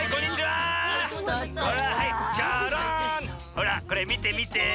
ほらこれみてみて。